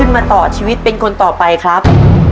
มาต่อชีวิตเป็นคนต่อไปครับ